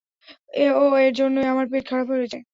ও, এর জন্যই তোমার পেট খারাপ করেছে!